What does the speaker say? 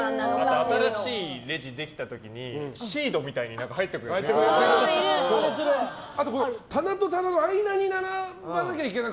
新しいレジできた時にシードみたいに入ってくるやついるじゃない。